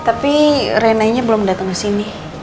tapi renanya belum datang kesini